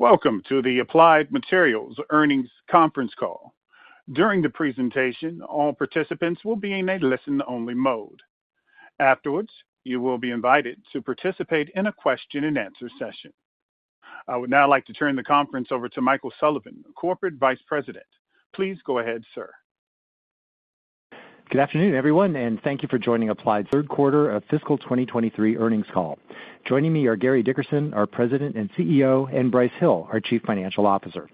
Welcome to the Applied Materials Earnings Conference Call. During the presentation, all participants will be in a listen-only mode. Afterwards, you will be invited to participate in a question-and-answer session. I would now like to turn the conference over to Michael Sullivan, Corporate Vice President. Please go ahead, sir. Good afternoon, everyone, and thank you for joining Applied's third quarter of fiscal 2023 earnings call. Joining me are Gary Dickerson, our President and CEO, and Brice Hill, our Chief Financial Officer.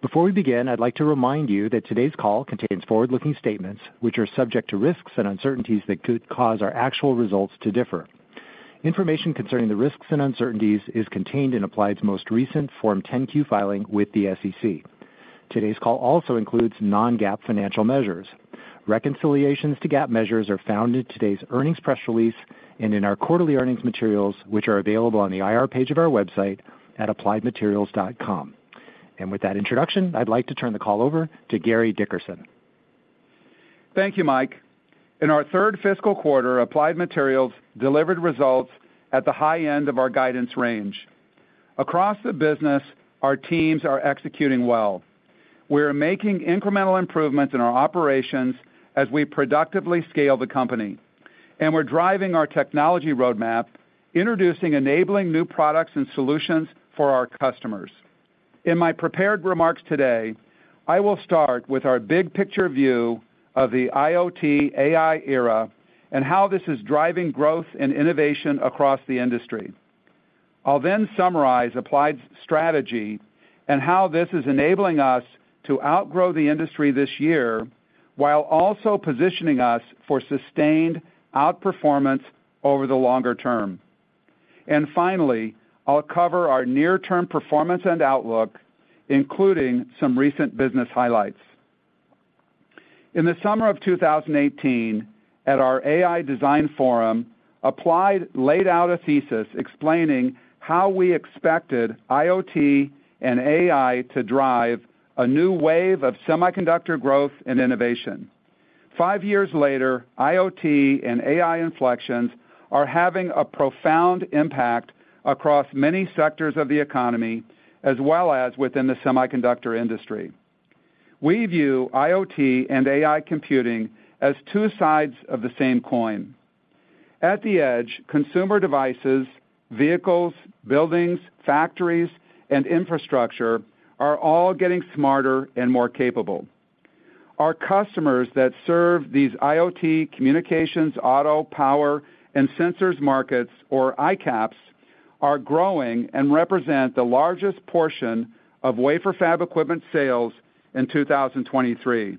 Before we begin, I'd like to remind you that today's call contains forward-looking statements, which are subject to risks and uncertainties that could cause our actual results to differ. Information concerning the risks and uncertainties is contained in Applied's most recent Form 10-Q filing with the SEC. Today's call also includes non-GAAP financial measures. Reconciliations to GAAP measures are found in today's earnings press release and in our quarterly earnings materials, which are available on the IR page of our website at appliedmaterials.com. With that introduction, I'd like to turn the call over to Gary Dickerson. Thank you, Mike. In our third fiscal quarter, Applied Materials delivered results at the high end of our guidance range. Across the business, our teams are executing well. We're making incremental improvements in our operations as we productively scale the company, and we're driving our technology roadmap, introducing enabling new products and solutions for our customers. In my prepared remarks today, I will start with our big-picture view of the IoT/AI era and how this is driving growth and innovation across the industry. I'll then summarize Applied's strategy and how this is enabling us to outgrow the industry this year, while also positioning us for sustained outperformance over the longer term. Finally, I'll cover our near-term performance and outlook, including some recent business highlights. In the summer of 2018, at our AI Design Forum, Applied laid out a thesis explaining how we expected IoT and AI to drive a new wave of semiconductor growth and innovation. five years later, IoT and AI inflections are having a profound impact across many sectors of the economy, as well as within the semiconductor industry. We view IoT and AI computing as two sides of the same coin. At the edge, consumer devices, vehicles, buildings, factories, and infrastructure are all getting smarter and more capable. Our customers that serve these IoT, communications, auto, power, and sensors markets, or ICAPS, are growing and represent the largest portion of wafer fab equipment sales in 2023.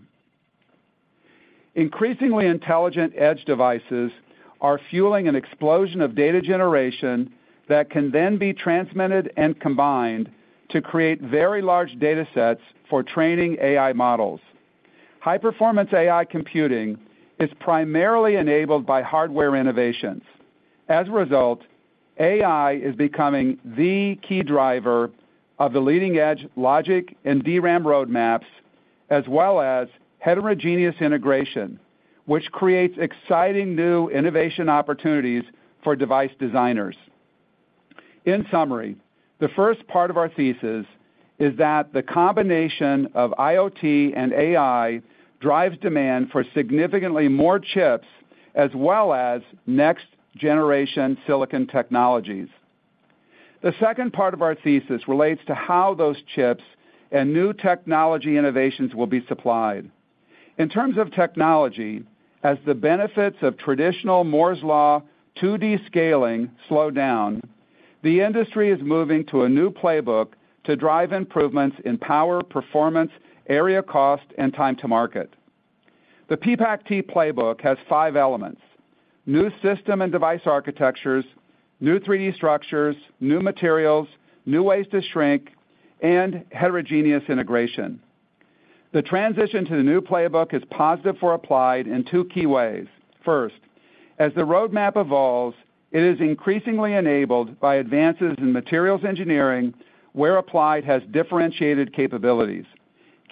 Increasingly intelligent edge devices are fueling an explosion of data generation that can then be transmitted and combined to create very large data sets for training AI models. High-performance AI computing is primarily enabled by hardware innovations. As a result, AI is becoming the key driver of the leading-edge logic and DRAM roadmaps, as well as heterogeneous integration, which creates exciting new innovation opportunities for device designers. In summary, the first part of our thesis is that the combination of IoT and AI drives demand for significantly more chips, as well as next-generation silicon technologies. The second part of our thesis relates to how those chips and new technology innovations will be supplied. In terms of technology, as the benefits of traditional Moore's Law 2D scaling slow down, the industry is moving to a new playbook to drive improvements in power, performance, area cost, and time to market. The PPACt playbook has five elements: new system and device architectures, new 3D structures, new materials, new ways to shrink, and heterogeneous integration. The transition to the new playbook is positive for Applied in two key ways. First, as the roadmap evolves, it is increasingly enabled by advances in materials engineering, where Applied has differentiated capabilities.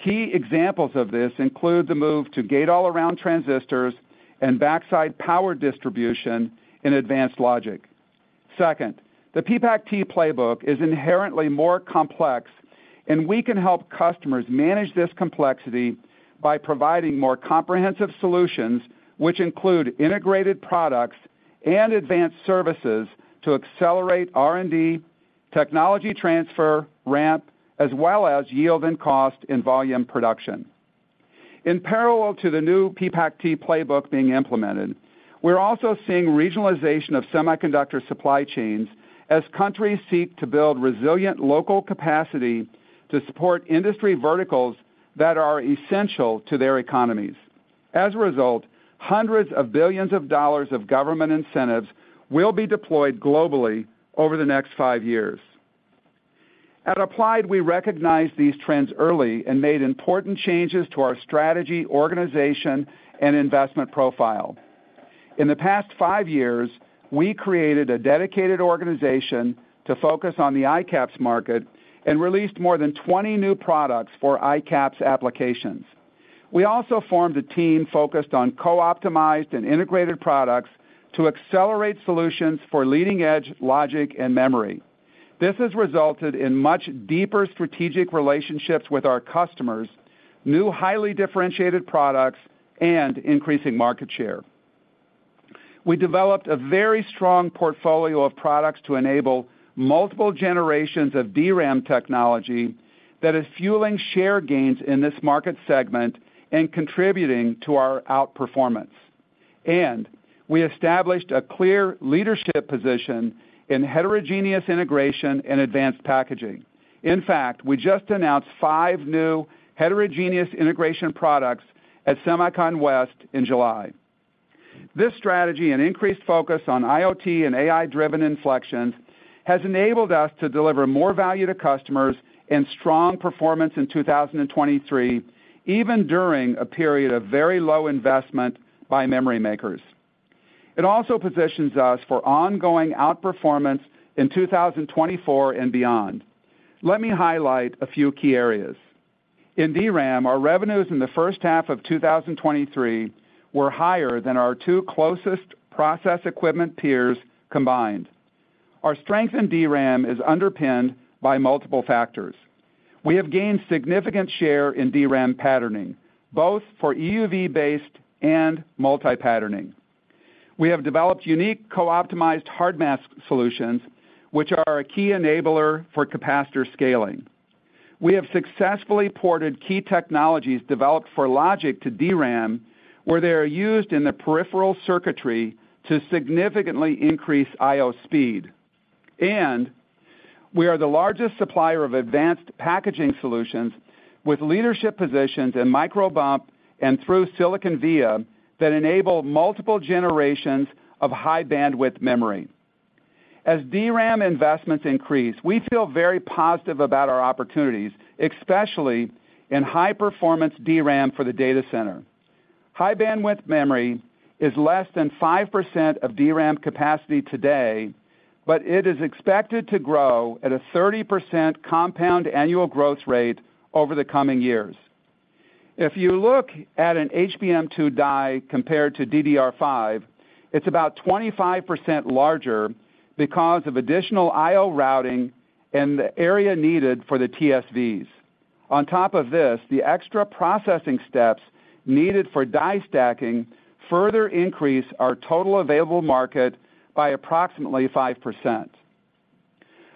Key examples of this include the move to Gate-All-Around transistors and Backside power distribution in advanced logic. Second, the PPACt playbook is inherently more complex, and we can help customers manage this complexity by providing more comprehensive solutions, which include integrated products and advanced services to accelerate R&D, technology transfer, ramp, as well as yield and cost in volume production. In parallel to the new PPACt playbook being implemented, we're also seeing regionalization of semiconductor supply chains as countries seek to build resilient local capacity to support industry verticals that are essential to their economies. As a result, dollars hundreds of billions of government incentives will be deployed globally over the next five years. At Applied, we recognized these trends early and made important changes to our strategy, organization, and investment profile. In the past 5 years, we created a dedicated organization to focus on the ICAPS market and released more than 20 new products for ICAPS applications. We also formed a team focused on co-optimized and integrated products to accelerate solutions for leading-edge logic and memory. This has resulted in much deeper strategic relationships with our customers, new highly differentiated products, and increasing market share. We developed a very strong portfolio of products to enable multiple generations of DRAM technology that is fueling share gains in this market segment and contributing to our outperformance. We established a clear leadership position in heterogeneous integration and advanced packaging. In fact, we just announced 5 new heterogeneous integration products at SEMICON West in July. This strategy and increased focus on IoT and AI-driven inflections has enabled us to deliver more value to customers and strong performance in 2023, even during a period of very low investment by memory makers. It also positions us for ongoing outperformance in 2024 and beyond. Let me highlight a few key areas. In DRAM, our revenues in the first half of 2023 were higher than our two closest process equipment peers combined. Our strength in DRAM is underpinned by multiple factors. We have gained significant share in DRAM patterning, both for EUV-based and multi-patterning. We have developed unique co-optimized hard mask solutions, which are a key enabler for capacitor scaling. We have successfully ported key technologies developed for logic to DRAM, where they are used in the peripheral circuitry to significantly increase I/O speed. We are the largest supplier of advanced packaging solutions, with leadership positions in microbump and through-silicon via that enable multiple generations of high Bandwidth Memory. As DRAM investments increase, we feel very positive about our opportunities, especially in high-performance DRAM for the data center. High Bandwidth Memory is less than 5% of DRAM capacity today, but it is expected to grow at a 30% compound annual growth rate over the coming years. If you look at an HBM2 die compared to DDR5, it's about 25% larger because of additional I/O routing and the area needed for the TSVs. On top of this, the extra processing steps needed for die stacking further increase our total available market by approximately 5%.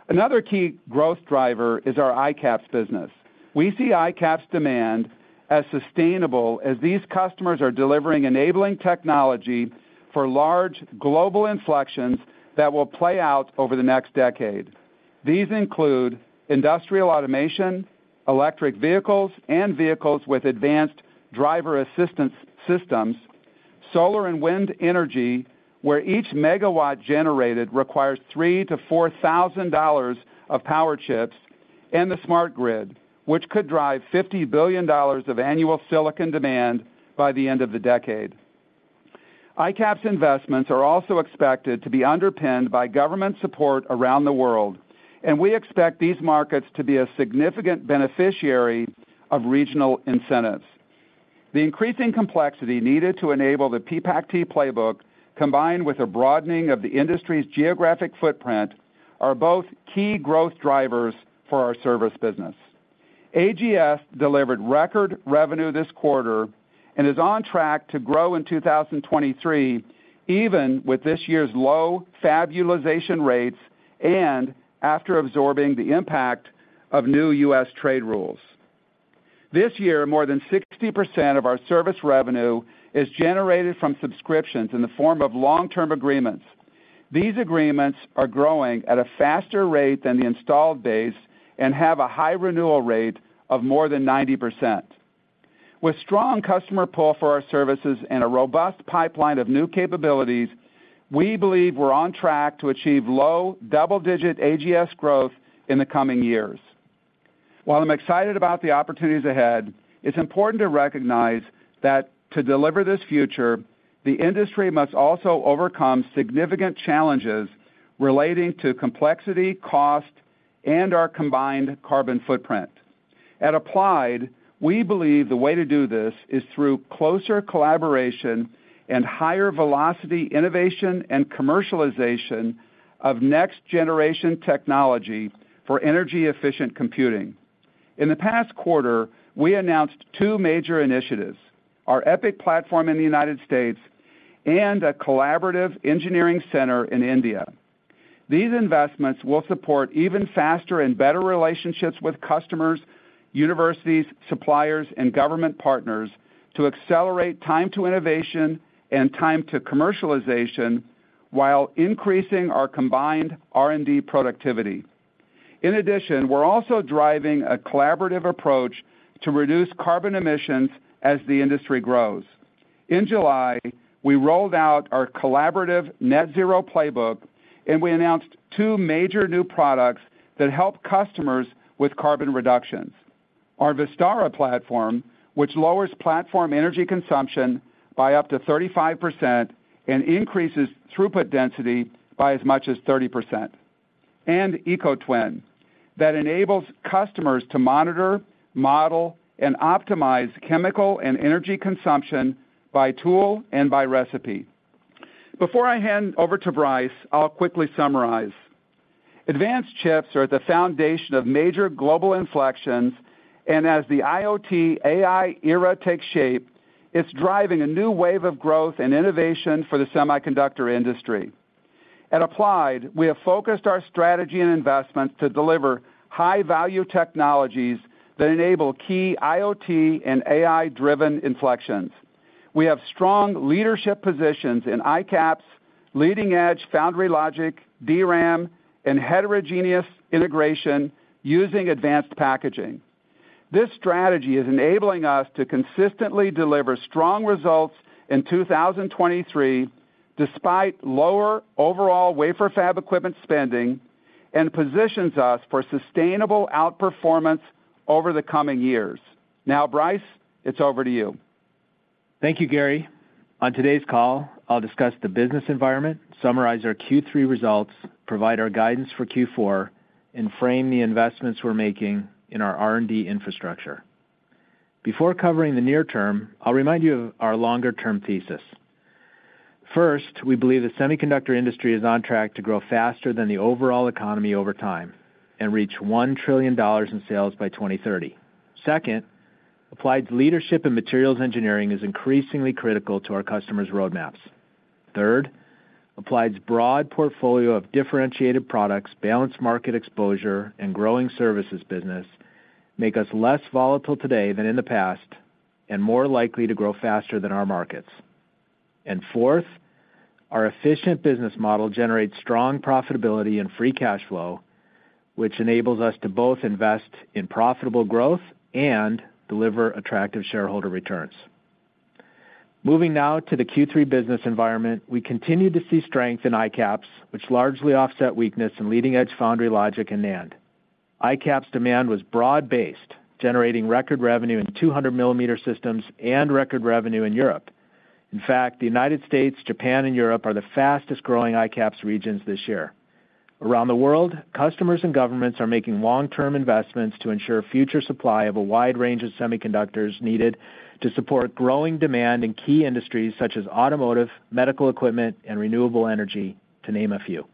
Another key growth driver is our ICAPS business. We see ICAPS demand as sustainable as these customers are delivering enabling technology for large global inflections that will play out over the next decade. These include industrial automation, electric vehicles, and vehicles with advanced driver assistance systems, solar and wind energy, where each megawatt generated requires $3,000-$4,000 of power chips, and the smart grid, which could drive $50 billion of annual silicon demand by the end of the decade. ICAPS investments are also expected to be underpinned by government support around the world, and we expect these markets to be a significant beneficiary of regional incentives. The increasing complexity needed to enable the PPACt playbook, combined with a broadening of the industry's geographic footprint, are both key growth drivers for our service business. AGS delivered record revenue this quarter. Is on track to grow in 2023, even with this year's low fab utilization rates and after absorbing the impact of new U.S. trade rules. This year, more than 60% of our service revenue is generated from subscriptions in the form of long-term agreements. These agreements are growing at a faster rate than the installed base and have a high renewal rate of more than 90%. With strong customer pull for our services and a robust pipeline of new capabilities, we believe we're on track to achieve low double-digit AGS growth in the coming years. While I'm excited about the opportunities ahead, it's important to recognize that to deliver this future, the industry must also overcome significant challenges relating to complexity, cost, and our combined carbon footprint. At Applied, we believe the way to do this is through closer collaboration and higher velocity, innovation, and commercialization of next-generation technology for energy-efficient computing. In the past quarter, we announced two major initiatives, our EPIC platform in the United States and a collaborative engineering center in India. These investments will support even faster and better relationships with customers, universities, suppliers, and government partners to accelerate time to innovation and time to commercialization while increasing our combined R&D productivity. In addition, we're also driving a collaborative approach to reduce carbon emissions as the industry grows. In July, we rolled out our collaborative Net Zero Playbook, and we announced two major new products that help customers with carbon reductions. Our Vistara platform, which lowers platform energy consumption by up to 35% and increases throughput density by as much as 30%.... EcoTwin, that enables customers to monitor, model, and optimize chemical and energy consumption by tool and by recipe. Before I hand over to Brice, I'll quickly summarize. Advanced chips are at the foundation of major global inflections, and as the IoT/AI era takes shape, it's driving a new wave of growth and innovation for the semiconductor industry. At Applied, we have focused our strategy and investment to deliver high-value technologies that enable key IoT and AI-driven inflections. We have strong leadership positions in ICAPS, leading-edge foundry logic, DRAM, and heterogeneous integration using advanced packaging. This strategy is enabling us to consistently deliver strong results in 2023, despite lower overall wafer fab equipment spending, and positions us for sustainable outperformance over the coming years. Now, Brice, it's over to you. Thank you, Gary. On today's call, I'll discuss the business environment, summarize our Q3 results, provide our guidance for Q4, and frame the investments we're making in our R&D infrastructure. Before covering the near term, I'll remind you of our longer-term thesis. First, we believe the semiconductor industry is on track to grow faster than the overall economy over time and reach $1 trillion in sales by 2030. Second, Applied's leadership in materials engineering is increasingly critical to our customers' roadmaps. Third, Applied's broad portfolio of differentiated products, balanced market exposure, and growing services business make us less volatile today than in the past and more likely to grow faster than our markets. Fourth, our efficient business model generates strong profitability and free cash flow, which enables us to both invest in profitable growth and deliver attractive shareholder returns. Moving now to the Q3 business environment, we continued to see strength in ICAPS, which largely offset weakness in leading-edge foundry logic and NAND. ICAPS demand was broad-based, generating record revenue in 200mm systems and record revenue in Europe. In fact, the United States, Japan, and Europe are the fastest-growing ICAPS regions this year. Around the world, customers and governments are making long-term investments to ensure future supply of a wide range of semiconductors needed to support growing demand in key industries such as automotive, medical equipment, and renewable energy, to name a few.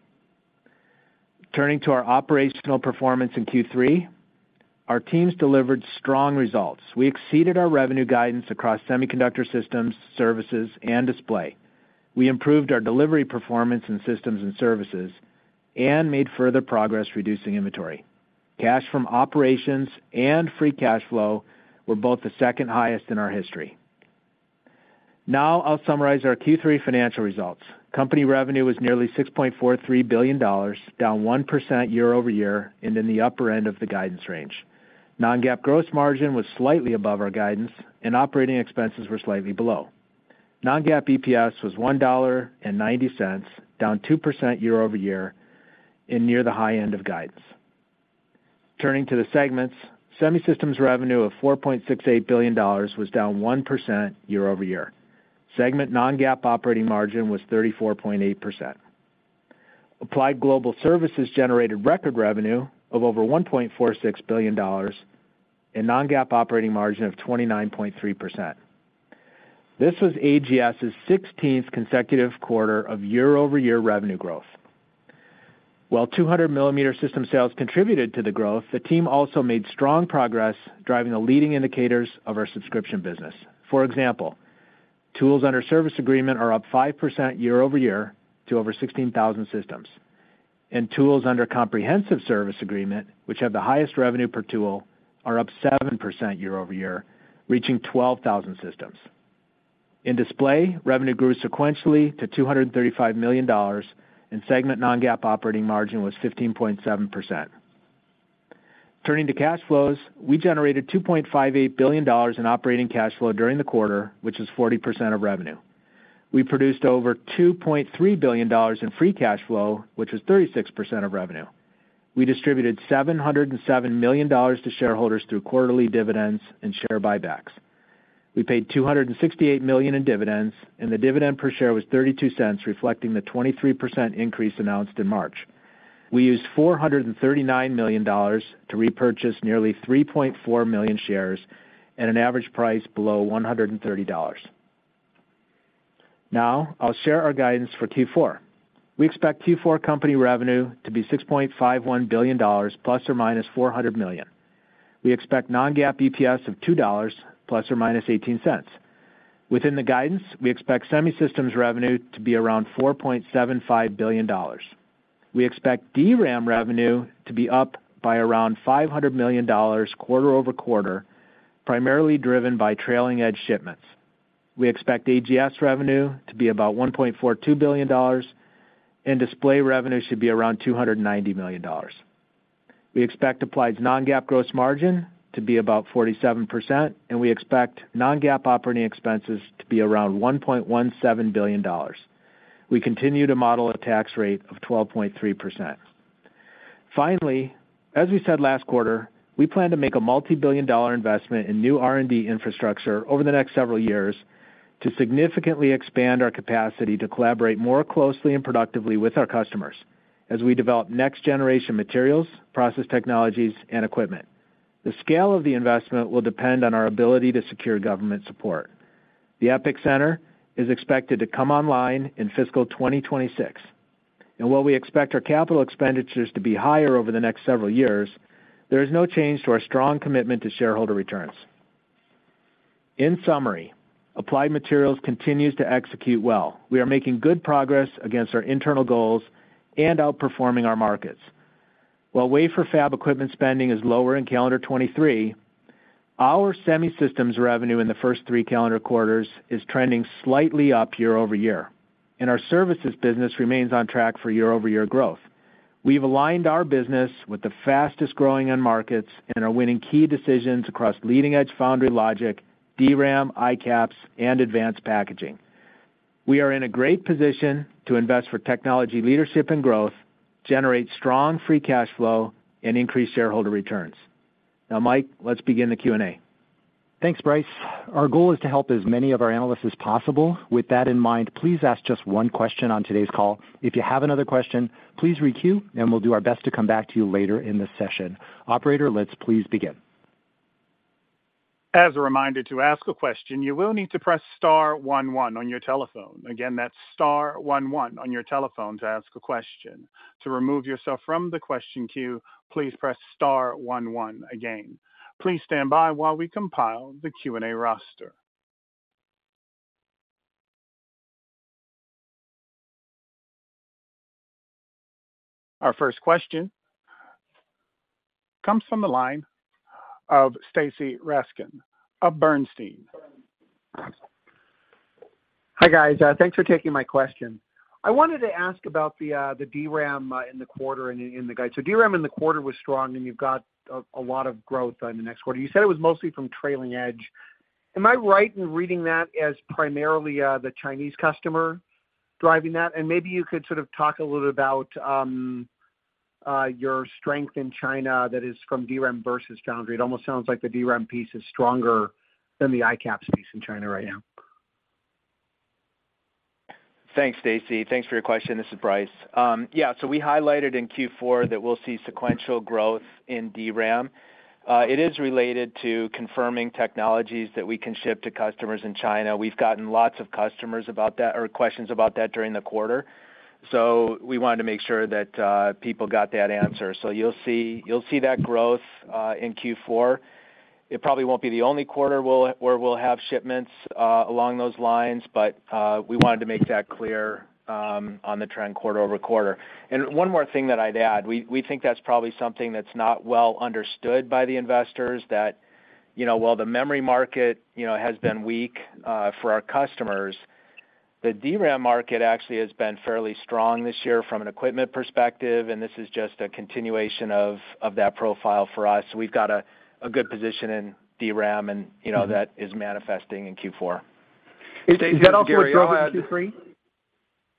Turning to our operational performance in Q3, our teams delivered strong results. We exceeded our revenue guidance across Semiconductor Systems, Services, and Display. We improved our delivery performance in systems and services and made further progress reducing inventory. Cash from operations and free cash flow were both the 2nd highest in our history. Now I'll summarize our Q3 financial results. Company revenue was nearly $6.43 billion, down 1% year-over-year, and in the upper end of the guidance range. Non-GAAP gross margin was slightly above our guidance, and operating expenses were slightly below. Non-GAAP EPS was $1.90, down 2% year-over-year, and near the high end of guidance. Turning to the segments, Semi Systems revenue of $4.68 billion was down 1% year-over-year. Segment non-GAAP operating margin was 34.8%. Applied Global Services generated record revenue of over $1.46 billion and non-GAAP operating margin of 29.3%. This was AGS's 16th consecutive quarter of year-over-year revenue growth. While 200mm system sales contributed to the growth, the team also made strong progress driving the leading indicators of our subscription business. For example, tools under service agreement are up 5% year-over-year to over 16,000 systems, and tools under comprehensive service agreement, which have the highest revenue per tool, are up 7% year-over-year, reaching 12,000 systems. In Display, revenue grew sequentially to $235 million, and segment Non-GAAP operating margin was 15.7%. Turning to cash flows, we generated $2.58 billion in operating cash flow during the quarter, which is 40% of revenue. We produced over $2.3 billion in free cash flow, which was 36% of revenue. We distributed $707 million to shareholders through quarterly dividends and share buybacks. We paid $268 million in dividends, and the dividend per share was $0.32, reflecting the 23% increase announced in March. We used $439 million to repurchase nearly 3.4 million shares at an average price below $130. Now, I'll share our guidance for Q4. We expect Q4 company revenue to be $6.51 billion ± $400 million. We expect non-GAAP EPS of $2 ± $0.18. Within the guidance, we expect Semi Systems revenue to be around $4.75 billion. We expect DRAM revenue to be up by around $500 million quarter-over-quarter, primarily driven by trailing edge shipments. We expect AGS revenue to be about $1.42 billion, and Display revenue should be around $290 million. We expect Applied's non-GAAP gross margin to be about 47%, and we expect non-GAAP operating expenses to be around $1.17 billion. We continue to model a tax rate of 12.3%. Finally, as we said last quarter, we plan to make a multi-billion dollar investment in new R&D infrastructure over the next several years to significantly expand our capacity to collaborate more closely and productively with our customers as we develop next-generation materials, process technologies, and equipment. The scale of the investment will depend on our ability to secure government support. The EPIC Center is expected to come online in fiscal 2026, and while we expect our CapEx to be higher over the next several years, there is no change to our strong commitment to shareholder returns. In summary, Applied Materials continues to execute well. We are making good progress against our internal goals and outperforming our markets. While wafer fab equipment spending is lower in calendar 23, our Semi Systems revenue in the first three calendar quarters is trending slightly up year-over-year, and our services business remains on track for year-over-year growth. We've aligned our business with the fastest-growing end markets and are winning key decisions across leading-edge foundry logic, DRAM, ICAPS, and advanced packaging. We are in a great position to invest for technology, leadership, and growth, generate strong free cash flow, and increase shareholder returns. Now, Mike, let's begin the Q&A. Thanks, Brice. Our goal is to help as many of our analysts as possible. With that in mind, please ask just one question on today's call. If you have another question, please re queue, and we'll do our best to come back to you later in this session. Operator, let's please begin. As a reminder, to ask a question, you will need to press star one one on your telephone. Again, that's star one one on your telephone to ask a question. To remove yourself from the question queue, please press star one one again. Please stand by while we compile the Q&A roster. Our first question comes from the line of Stacy Rasgon of Bernstein. Hi, guys, thanks for taking my question. I wanted to ask about the DRAM in the quarter and in the guide. DRAM in the quarter was strong, and you've got a lot of growth in the next quarter. You said it was mostly from trailing edge. Am I right in reading that as primarily the Chinese customer driving that? Maybe you could sort of talk a little bit about your strength in China that is from DRAM versus foundry. It almost sounds like the DRAM piece is stronger than the ICAPS piece in China right now. Thanks, Stacy. Thanks for your question. This is Brice. Yeah, we highlighted in Q4 that we'll see sequential growth in DRAM. It is related to confirming technologies that we can ship to customers in China. We've gotten lots of customers about that or questions about that during the quarter, we wanted to make sure that people got that answer. You'll see, you'll see that growth in Q4. It probably won't be the only quarter where we'll have shipments along those lines, but we wanted to make that clear on the trend quarter-over-quarter. One more thing that I'd add, we think that's probably something that's not well understood by the investors, that, you know, while the memory market, you know, has been weak for our customers, the DRAM market actually has been fairly strong this year from an equipment perspective, and this is just a continuation of, of that profile for us. We've got a good position in DRAM and, you know, that is manifesting in Q4. Is that also driving Q3?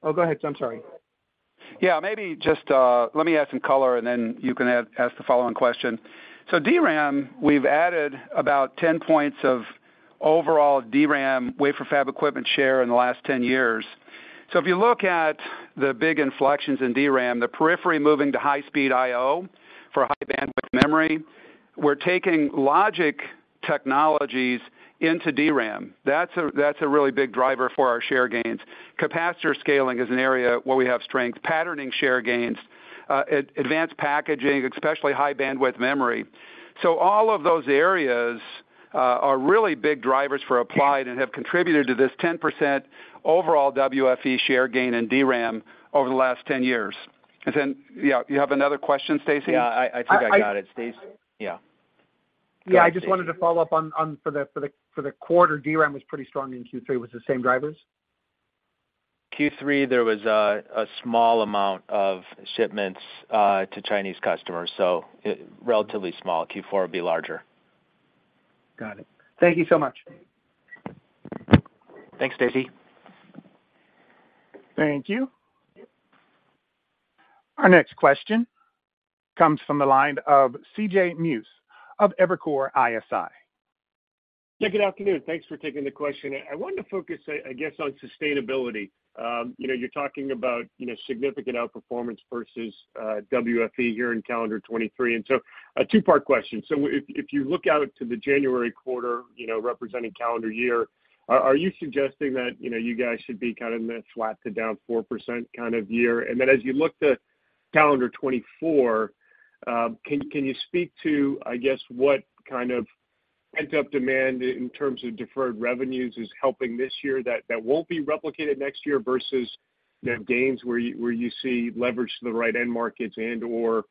Oh, go ahead, I'm sorry. Yeah, maybe just let me add some color, and then you can ask the follow-on question. DRAM, we've added about 10 points of overall DRAM wafer fab equipment share in the last 10 years. If you look at the big inflections in DRAM, the periphery moving to high-speed I/O for High Bandwidth Memory, we're taking logic technologies into DRAM. That's a really big driver for our share gains. Capacitor scaling is an area where we have strength, patterning share gains, advanced packaging, especially High Bandwidth Memory. All of those areas are really big drivers for Applied and have contributed to this 10% overall WFE share gain in DRAM over the last 10 years. Yeah, you have another question, Stacy? Yeah, I, I think I got it, Stacy. Yeah. Yeah, I just wanted to follow up on the quarter, DRAM was pretty strong in Q3. Was it the same drivers? Q3, there was a small amount of shipments to Chinese customers, so relatively small. Q4 will be larger. Got it. Thank you so much. Thanks, Stacy. Thank you. Our next question comes from the line of CJ Muse of Evercore ISI. Yeah, good afternoon. Thanks for taking the question. I wanted to focus, I guess, on sustainability. You know, you're talking about, you know, significant outperformance versus WFE here in calendar 2023, and so a two-part question: So if, if you look out to the January quarter, you know, representing calendar year, are, are you suggesting that, you know, you guys should be kind of in the flat to down 4% kind of year? And then as you look to calendar 2024, can, can you speak to, I guess, what kind of pent-up demand in terms of deferred revenues is helping this year that, that won't be replicated next year versus the gains where you, where you see leverage to the right end markets and/or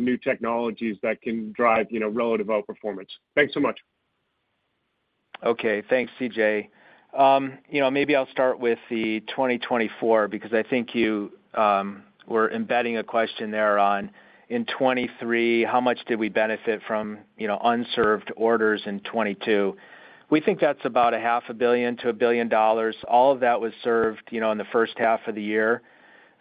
new technologies that can drive, you know, relative outperformance? Thanks so much. Okay, thanks, C.J.. You know, maybe I'll start with the 2024, because I think you, were embedding a question there on in 2023, how much did we benefit from, you know, unserved orders in 2022? We think that's about $500 million-$1 billion. All of that was served, you know, in the first half of the year...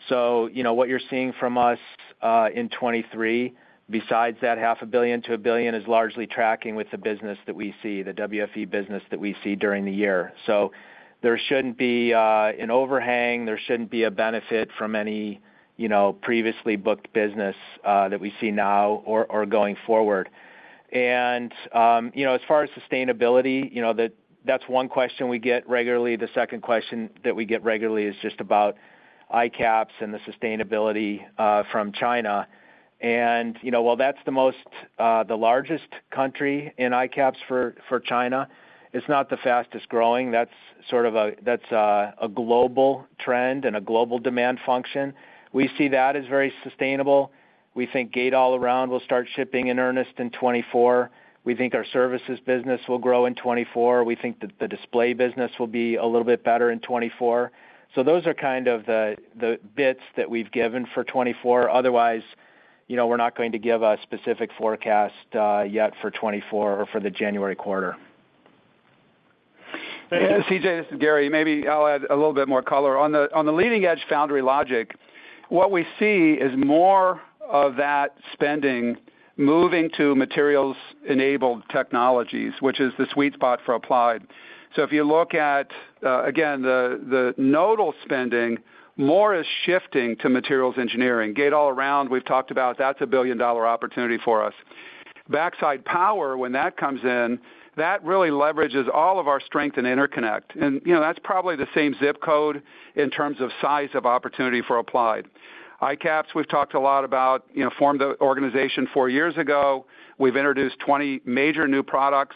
You know, what you're seeing from us, in 2023, besides that $500 million-$1 billion, is largely tracking with the business that we see, the WFE business that we see during the year. There shouldn't be an overhang, there shouldn't be a benefit from any, you know, previously booked business, that we see now or, or going forward. You know, as far as sustainability, you know, that's one question we get regularly. The second question that we get regularly is just about ICAPS and the sustainability from China. You know, while that's the most, the largest country in ICAPS for, for China, it's not the fastest growing. That's sort of a, that's a, a global trend and a global demand function. We see that as very sustainable. We think Gate-All-Around will start shipping in earnest in 2024. We think our services business will grow in 2024. We think that the Display business will be a little bit better in 2024. Those are kind of the, the bits that we've given for 2024. Otherwise, you know, we're not going to give a specific forecast yet for 2024 or for the January quarter. CJ, this is Gary. Maybe I'll add a little bit more color. On the, on the leading edge foundry logic, what we see is more of that spending moving to materials-enabled technologies, which is the sweet spot for Applied. If you look at, again, the, the nodal spending, more is shifting to materials engineering. Gate-All-Around, we've talked about, that's a $1 billion opportunity for us. Backside power, when that comes in, that really leverages all of our strength in interconnect. You know, that's probably the same zip code in terms of size of opportunity for Applied. ICAPS, we've talked a lot about, you know, formed the organization 4 years ago. We've introduced 20 major new products,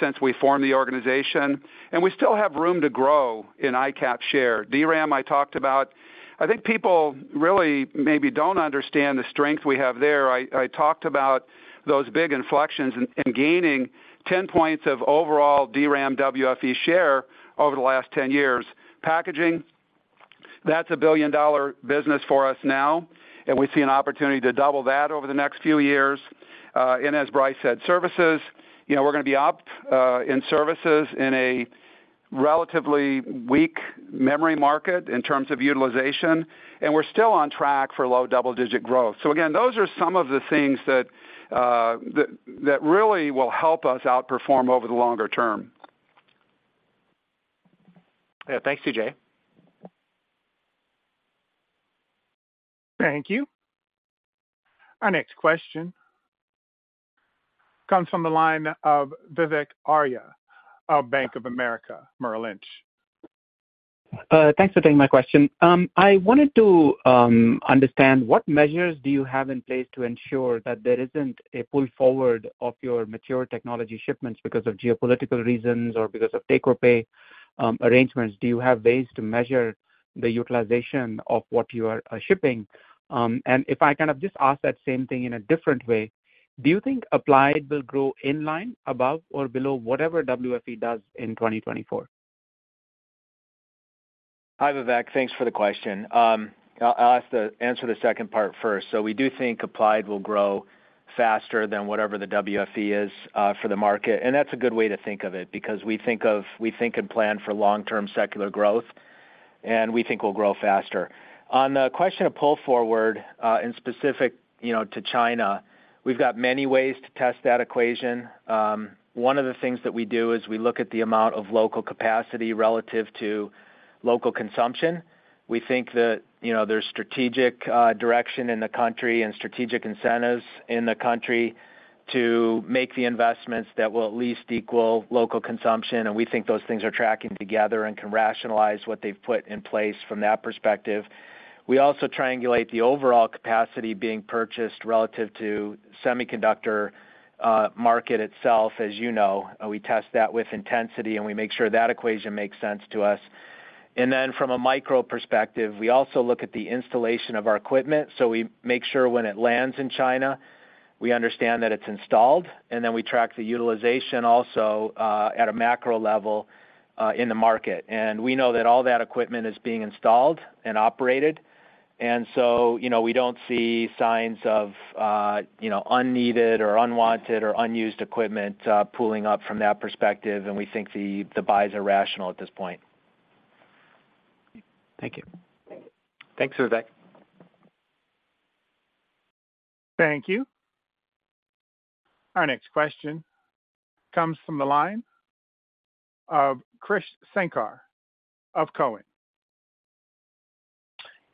since we formed the organization, and we still have room to grow in ICAPS share. DRAM, I talked about. I think people really maybe don't understand the strength we have there. I talked about those big inflections in gaining 10 points of overall DRAM WFE share over the last 10 years. Packaging, that's a billion-dollar business for us now, and we see an opportunity to double that over the next few years. As Brice said, services, you know, we're going to be up in services in a relatively weak memory market in terms of utilization, and we're still on track for low double-digit growth. Again, those are some of the things that really will help us outperform over the longer term. Yeah. Thanks, CJ. Thank you. Our next question comes from the line of Vivek Arya of Bank of America, Merrill Lynch. Thanks for taking my question. I wanted to understand, what measures do you have in place to ensure that there isn't a pull forward of your mature technology shipments because of geopolitical reasons or because of take-or-pay arrangements? Do you have ways to measure the utilization of what you are shipping? If I kind of just ask that same thing in a different way, do you think Applied will grow in line, above, or below whatever WFE does in 2024? Hi, Vivek. Thanks for the question. I'll, I'll have to answer the second part first. So we do think Applied will grow faster than whatever the WFE is for the market, and that's a good way to think of it, because we think and plan for long-term secular growth, and we think we'll grow faster. On the question of pull forward, in specific, you know, to China, we've got many ways to test that equation. One of the things that we do is we look at the amount of local capacity relative to local consumption. We think that, you know, there's strategic direction in the country and strategic incentives in the country to make the investments that will at least equal local consumption, and we think those things are tracking together and can rationalize what they've put in place from that perspective. We also triangulate the overall capacity being purchased relative to semiconductor market itself. As you know, we test that with intensity, and we make sure that equation makes sense to us. Then from a micro perspective, we also look at the installation of our equipment. We make sure when it lands in China, we understand that it's installed, and then we track the utilization also at a macro level in the market. We know that all that equipment is being installed and operated, and so, you know, we don't see signs of, you know, unneeded or unwanted or unused equipment pooling up from that perspective, and we think the buys are rational at this point. Thank you. Thanks, Vivek. Thank you. Our next question comes from the line of Krish Sankar of TD Cowen.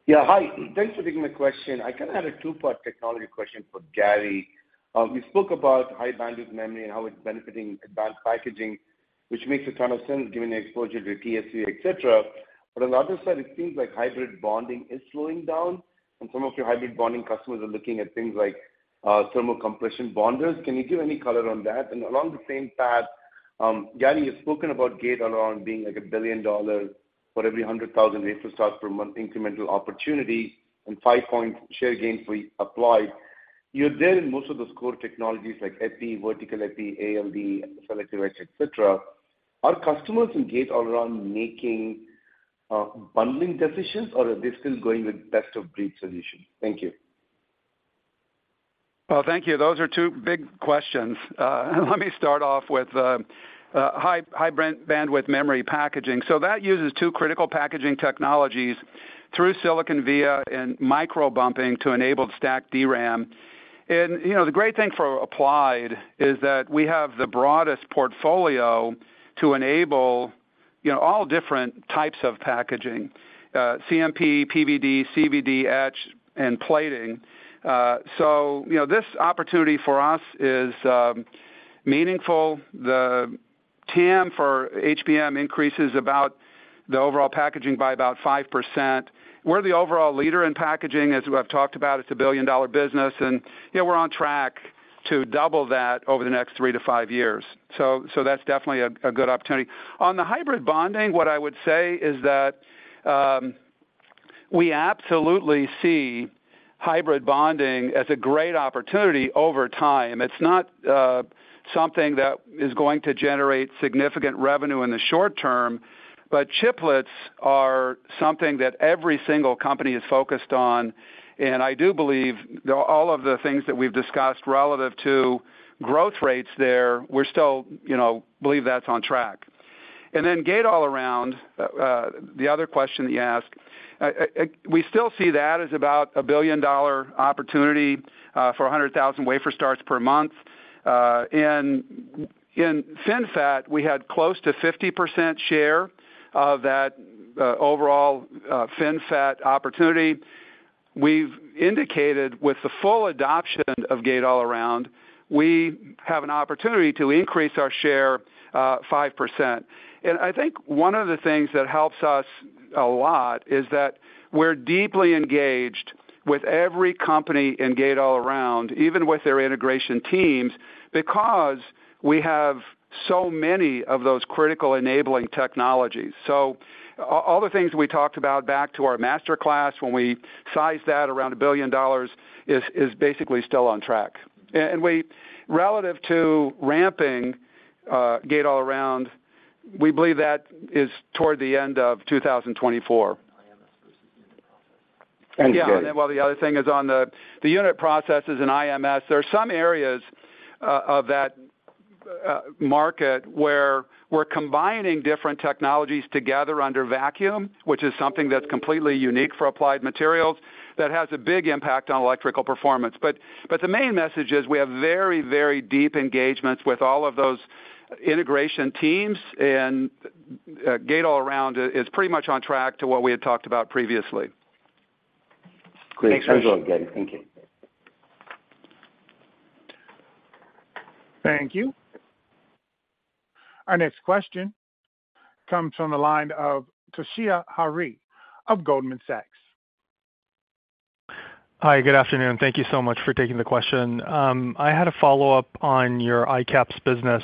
Yeah. Hi, thanks for taking my question. I kind of had a 2-part technology question for Gary. You spoke about High Bandwidth Memory and how it's benefiting advanced packaging, which makes a ton of sense given the exposure to TSV, et cetera. On the other side, it seems like hybrid bonding is slowing down, and some of your hybrid bonding customers are looking at things like thermal compression bonders. Can you give any color on that? Along the same path, Gary, you've spoken about Gate-All-Around being, like, a $1 billion for every 100,000 infrastructure incremental opportunity and five-point share gains for Applied. You're there in most of the core technologies like EP, vertical EP, ALD, selective et cetera. Are customers in Gate-All-Around making bundling decisions, or are they still going with best-of-breed solutions? Thank you. Well, thank you. Those are two big questions. Let me start off with high, High Bandwidth Memory packaging. That uses two critical packaging technologies through-silicon via and micro bumping to enable stacked DRAM. You know, the great thing for Applied is that we have the broadest portfolio to enable, you know, all different types of packaging, CMP, PVD, CVD, etch, and plating. You know, this opportunity for us is meaningful. The TAM for HBM increases about the overall packaging by about 5%. We're the overall leader in packaging, as we have talked about. It's a billion-dollar business, and, you know, we're on track to double that over the next three to five years. That's definitely a good opportunity. On the hybrid bonding, what I would say is that, we absolutely see hybrid bonding as a great opportunity over time. It's not, something that is going to generate significant revenue in the short term, but chiplets are something that every single company is focused on, and I do believe all of the things that we've discussed relative to growth rates there, we're still, you know, believe that's on track. Then Gate-All-Around, the other question that you asked. We still see that as about a billion-dollar opportunity, for 100,000 wafer starts per month. In FinFET, we had close to 50% share of that, overall, FinFET opportunity. We've indicated with the full adoption of Gate-All-Around, we have an opportunity to increase our share, 5%. I think one of the things that helps us a lot is that we're deeply engaged with every company in Gate-All-Around, even with their integration teams, because we have so many of those critical enabling technologies. All the things we talked about back to our master class, when we sized that around $1 billion, is basically still on track. We... Relative to ramping, Gate-All-Around, we believe that is toward the end of 2024. Thank you, Gary. The other thing is on the unit processes in IMS. There are some areas of that market where we're combining different technologies together under vacuum, which is something that's completely unique for Applied Materials, that has a big impact on electrical performance. The main message is we have very, very deep engagements with all of those integration teams. Gate-All-Around is pretty much on track to what we had talked about previously. Great. Thanks a lot, Gary. Thank you. Thank you. Our next question comes from the line of Toshiya Hari of Goldman Sachs. Hi, good afternoon. Thank you so much for taking the question. I had a follow-up on your ICAPS business,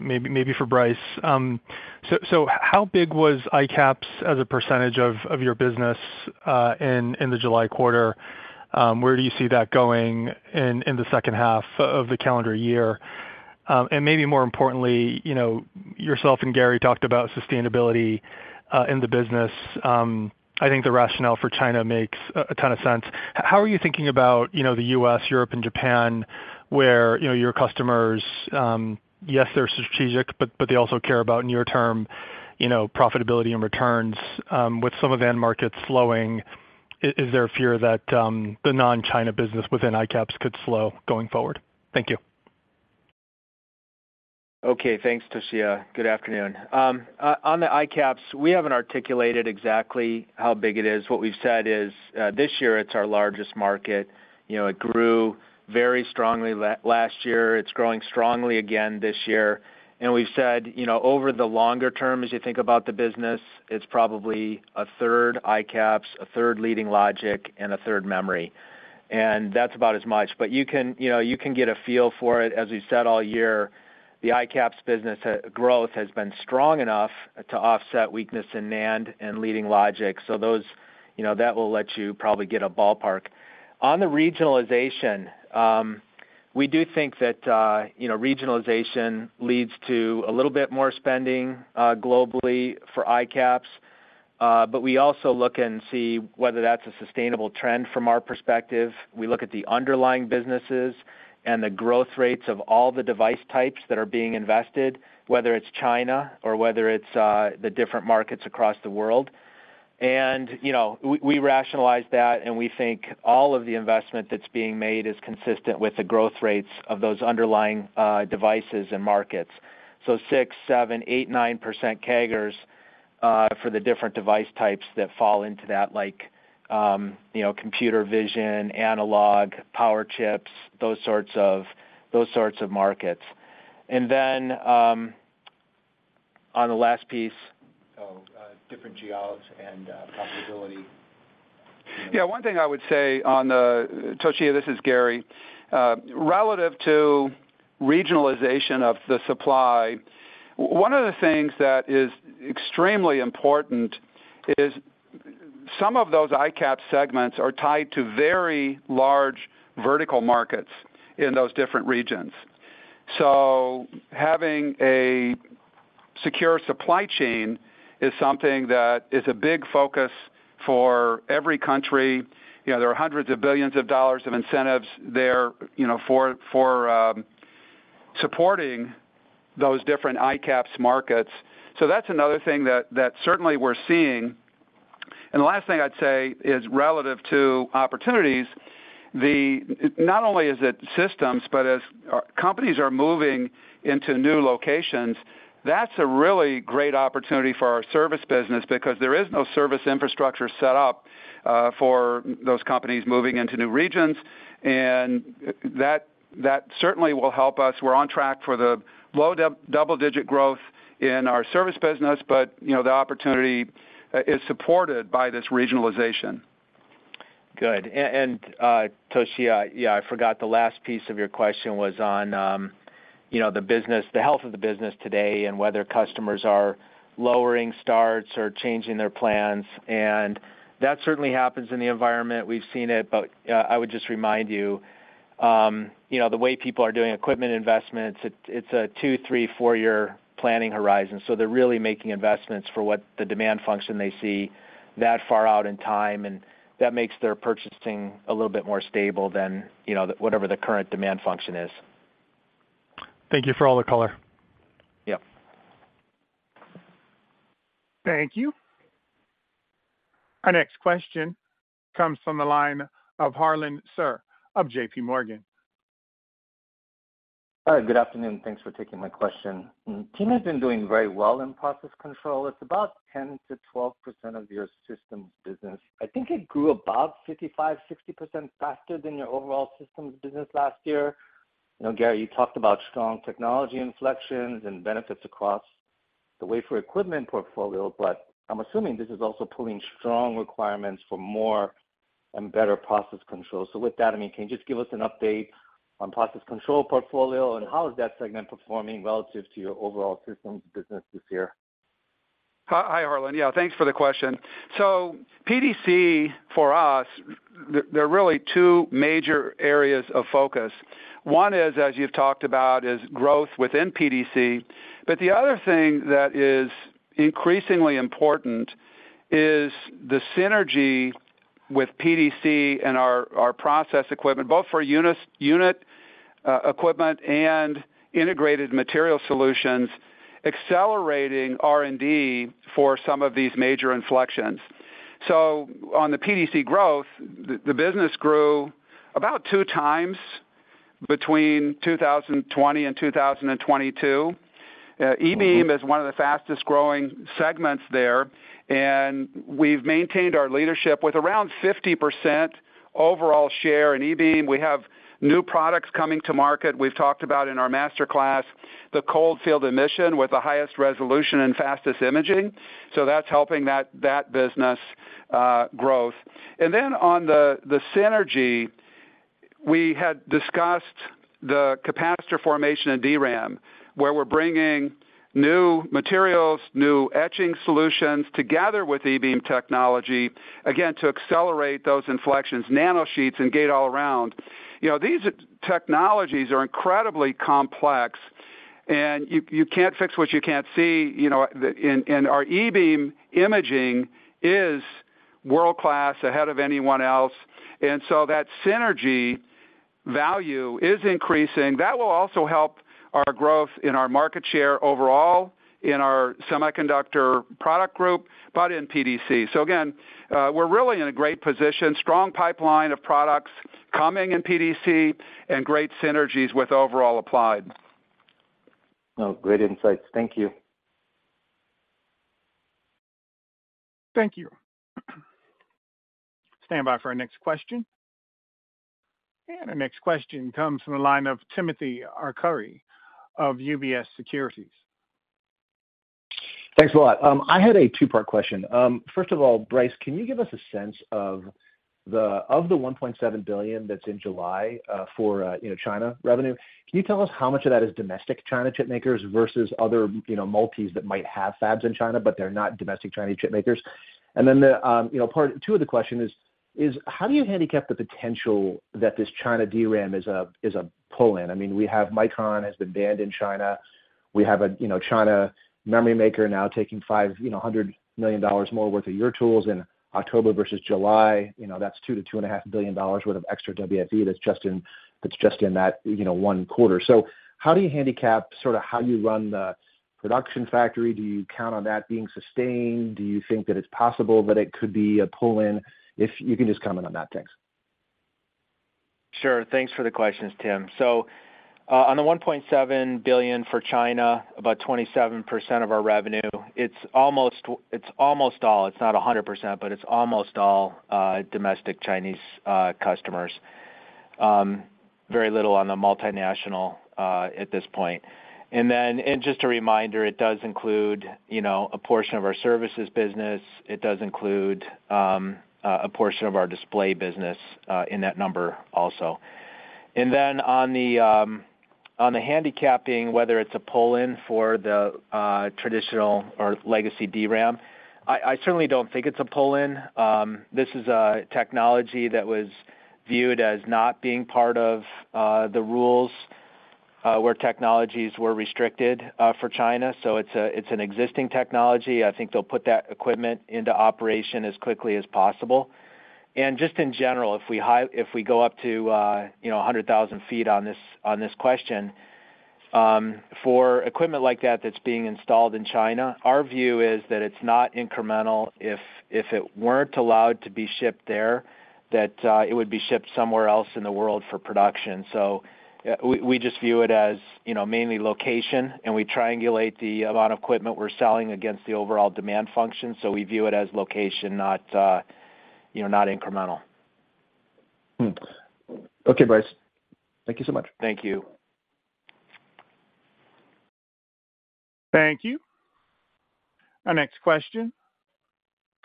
maybe, maybe for Brice. How big was ICAPS as a percentage of your business in the July quarter? Where do you see that going in the second half of the calendar year? And maybe more importantly, you know, yourself and Gary talked about sustainability in the business. I think the rationale for China makes a ton of sense. How are you thinking about, you know, the US, Europe, and Japan, where, you know, your customers, yes, they're strategic, but they also care about near-term, you know, profitability and returns. With some of end markets slowing, is there a fear that the non-China business within ICAPS could slow going forward? Thank you. Okay. Thanks, Toshiya. Good afternoon. On the ICAPS, we haven't articulated exactly how big it is. What we've said is, this year, it's our largest market. You know, it grew very strongly last year. It's growing strongly again this year. We've said, you know, over the longer term, as you think about the business, it's probably 1/3 ICAPS, 1/3 Leading Logic, and 1/3 memory, and that's about as much. You can, you know, you can get a feel for it. As we've said all year, the ICAPS business, growth has been strong enough to offset weakness in NAND and Leading Logic. Those, you know, that will let you probably get a ballpark. On the regionalization, we do think that, you know, regionalization leads to a little bit more spending, globally for ICAPS. We also look and see whether that's a sustainable trend from our perspective. We look at the underlying businesses and the growth rates of all the device types that are being invested, whether it's China or whether it's the different markets across the world. You know, we, we rationalize that, and we think all of the investment that's being made is consistent with the growth rates of those underlying devices and markets. 6%, 7%, 8%, 9% CAGRs for the different device types that fall into that, like, you know, computer vision, analog, power chips, those sorts of, those sorts of markets. Then, on the last piece. Oh, different geos and profitability. Yeah, one thing I would say on the... Toshiya, this is Gary. Relative to regionalization of the supply, one of the things that is extremely important is some of those ICAPS segments are tied to very large vertical markets in those different regions.... Having a secure supply chain is something that is a big focus for every country. You know, there are hundreds of billions of dollars of incentives there, you know, for, for supporting those different ICAPS markets. That's another thing that, that certainly we're seeing. The last thing I'd say is relative to opportunities, not only is it systems, but as companies are moving into new locations, that's a really great opportunity for our service business because there is no service infrastructure set up for those companies moving into new regions, and that, that certainly will help us. We're on track for the low double-digit growth in our service business, but, you know, the opportunity is supported by this regionalization. Good. Toshi, yeah, I forgot the last piece of your question was on, you know, the business, the health of the business today and whether customers are lowering starts or changing their plans. That certainly happens in the environment. We've seen it, but I would just remind you, you know, the way people are doing equipment investments, it's a 2, 3, 4-year planning horizon. They're really making investments for what the demand function they see that far out in time, and that makes their purchasing a little bit more stable than, you know, the, whatever the current demand function is. Thank you for all the color. Yep. Thank you. Our next question comes from the line of Harlan Sur of JPMorgan. Hi, good afternoon. Thanks for taking my question. Team has been doing very well in process control. It's about 10%-12% of your systems business. I think it grew above 55%-60% faster than your overall systems business last year. You know, Gary, you talked about strong technology inflections and benefits across the wafer equipment portfolio, but I'm assuming this is also pulling strong requirements for more and better process control. With that, I mean, can you just give us an update on process control portfolio, and how is that segment performing relative to your overall systems business this year? Hi, Harlan. Yeah, thanks for the question. PDC, for us, there, there are really two major areas of focus. One is, as you've talked about, is growth within PDC, but the other thing that is increasingly important is the synergy with PDC and our, our process equipment, both for unit equipment and integrated material solutions, accelerating R&D for some of these major inflections. On the PDC growth, the, the business grew about 2 times between 2020 and 2022. E-beam is one of the fastest growing segments there, and we've maintained our leadership with around 50% overall share in E-beam. We have new products coming to market. We've talked about in our master class, the cold field emission with the highest resolution and fastest imaging, so that's helping that, that business growth. Then on the, the synergy, we had discussed the capacitor formation in DRAM, where we're bringing new materials, new etching solutions together with E-beam technology, again, to accelerate those inflections, nanosheets and Gate-All-Around. You know, these technologies are incredibly complex, and you, you can't fix what you can't see, you know. Our E-beam imaging is world-class, ahead of anyone else. That synergy value is increasing. That will also help our growth in our market share overall in our semiconductor product group, but in PDC. Again, we're really in a great position, strong pipeline of products coming in PDC and great synergies with overall Applied. Oh, great insights. Thank you. Thank you. Stand by for our next question. Our next question comes from the line of Timothy Arcuri of UBS Securities. Thanks a lot. I had a two-part question. First of all, Brice, can you give us a sense of the $1.7 billion that's in July, for China revenue? Can you tell us how much of that is domestic China chipmakers versus other multis that might have fabs in China, but they're not domestic Chinese chipmakers? Then the part two of the question is, is how do you handicap the potential that this China DRAM is a, is a pull-in? I mean, we have Micron has been banned in China. We have a China memory maker now taking $500 million more worth of your tools in October versus July. You know, that's $2 billion-$2.5 billion worth of extra WFE that's just in, that's just in that, you know, one quarter. How do you handicap sort of how you run the production factory? Do you count on that being sustained? Do you think that it's possible that it could be a pull-in? If you can just comment on that. Thanks. Sure. Thanks for the questions, Tim. On the $1.7 billion for China, about 27% of our revenue, it's almost, it's almost all, it's not 100%, but it's almost all, domestic Chinese, customers. Very little on the multinational, at this point. Then, and just a reminder, it does include, you know, a portion of our services business. It does include, a portion of our Display business, in that number also. Then on the, on the handicapping, whether it's a pull-in for the, traditional or legacy DRAM,... I certainly don't think it's a pull-in. This is a technology that was viewed as not being part of, the rules, where technologies were restricted, for China. It's a, it's an existing technology. I think they'll put that equipment into operation as quickly as possible. Just in general, if we high-- if we go up to, you know, 100,000 feet on this, on this question, for equipment like that, that's being installed in China, our view is that it's not incremental. If, if it weren't allowed to be shipped there, that, it would be shipped somewhere else in the world for production. we, we just view it as, you know, mainly location, and we triangulate the amount of equipment we're selling against the overall demand function. we view it as location, not, you know, not incremental. Okay, Brice. Thank you so much. Thank you. Thank you. Our next question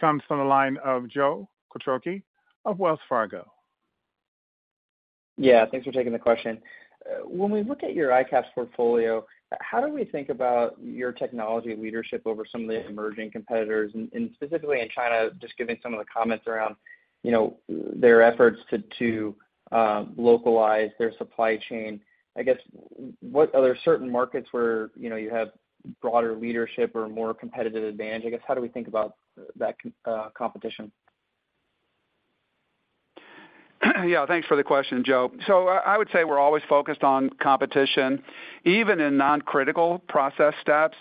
comes from the line of Joe Quatrochi of Wells Fargo. Yeah, thanks for taking the question. When we look at your ICAPS portfolio, how do we think about your technology leadership over some of the emerging competitors and, and specifically in China, just given some of the comments around, you know, their efforts to, to localize their supply chain? I guess, are there certain markets where, you know, you have broader leadership or more competitive advantage? I guess, how do we think about that competition? Yeah, thanks for the question, Joe. I, I would say we're always focused on competition, even in non-critical process steps.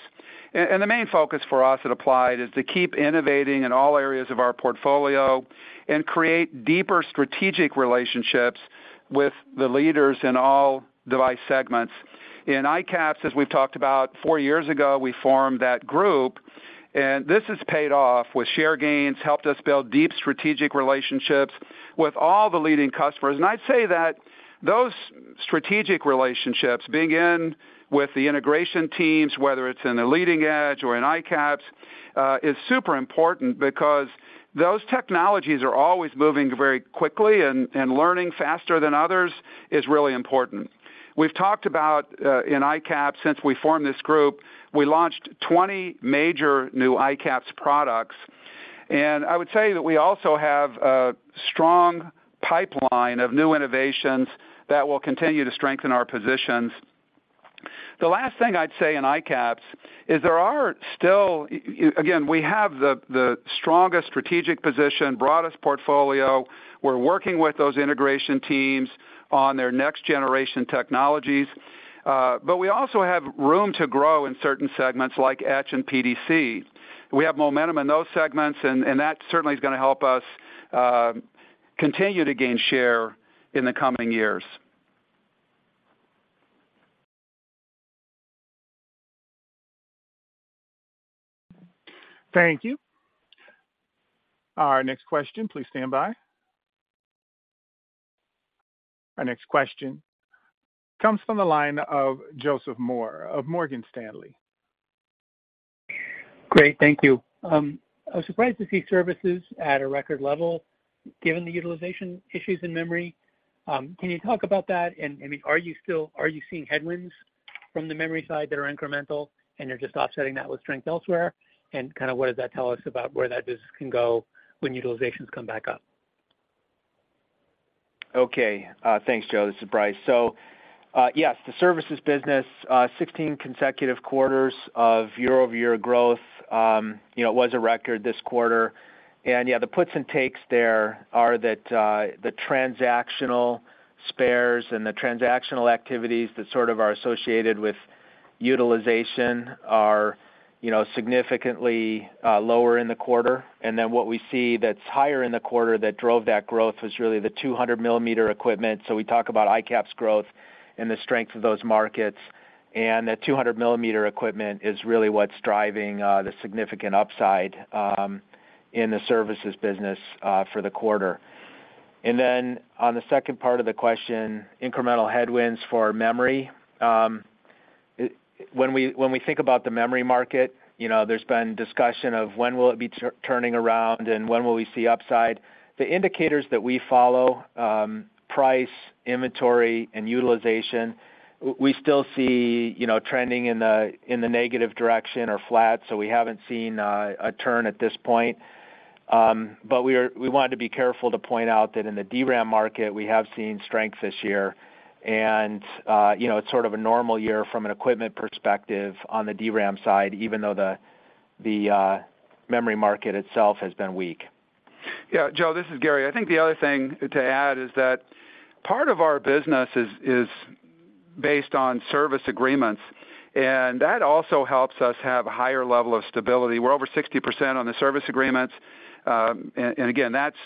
And the main focus for us at Applied is to keep innovating in all areas of our portfolio and create deeper strategic relationships with the leaders in all device segments. In ICAPS, as we've talked about, 4 years ago, we formed that group, and this has paid off with share gains, helped us build deep strategic relationships with all the leading customers. I'd say that those strategic relationships begin with the integration teams, whether it's in the leading edge or in ICAPS, is super important because those technologies are always moving very quickly and learning faster than others is really important. We've talked about, in ICAPS, since we formed this group, we launched 20 major new ICAPS products. I would say that we also have a strong pipeline of new innovations that will continue to strengthen our positions. The last thing I'd say in ICAPS is, again, we have the strongest strategic position, broadest portfolio. We're working with those integration teams on their next generation technologies, but we also have room to grow in certain segments like Etch and PDC. We have momentum in those segments, and that certainly is gonna help us continue to gain share in the coming years. Thank you. Our next question, please stand by. Our next question comes from the line of Joseph Moore of Morgan Stanley. Great, thank you. I was surprised to see services at a record level, given the utilization issues in memory. Can you talk about that? I mean, are you seeing headwinds from the memory side that are incremental, and you're just offsetting that with strength elsewhere? Kind of what does that tell us about where that business can go when utilizations come back up? Okay, thanks, Joe. This is Brice. Yes, the services business, 16 consecutive quarters of year-over-year growth, you know, was a record this quarter. Yeah, the puts and takes there are that, the transactional spares and the transactional activities that sort of are associated with utilization are, you know, significantly lower in the quarter. What we see that's higher in the quarter that drove that growth was really the 200mm equipment. We talk about ICAPS growth and the strength of those markets, the 200mm equipment is really what's driving the significant upside in the services business for the quarter. On the second part of the question, incremental headwinds for memory. When we, when we think about the memory market, you know, there's been discussion of when will it be turning around and when will we see upside? The indicators that we follow, price, inventory, and utilization, we still see, you know, trending in the, in the negative direction or flat, so we haven't seen a turn at this point. We wanted to be careful to point out that in the DRAM market, we have seen strength this year, and, you know, it's sort of a normal year from an equipment perspective on the DRAM side, even though the, the, memory market itself has been weak. Yeah, Joe, this is Gary. I think the other thing to add is that part of our business is based on service agreements, that also helps us have a higher level of stability. We're over 60% on the service agreements. Again, that's